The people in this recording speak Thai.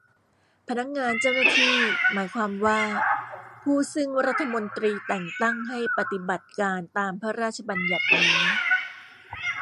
พนักงานเจ้าหน้าที่ หมายความว่า ผู้ซึ่งรัฐมนตรีแต่งตั้งให้ปฏิบัติการตามพระราชบัญญัตินี้